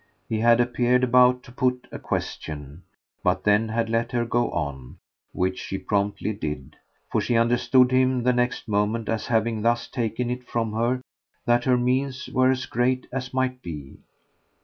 He had appeared about to put a question, but then had let her go on, which she promptly did, for she understood him the next moment as having thus taken it from her that her means were as great as might be.